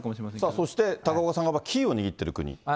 そして高岡さんが、キーを握っている国。